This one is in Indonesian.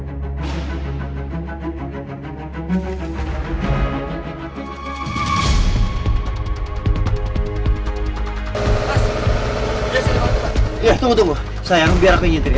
sayang biar aku ingin nyetir ya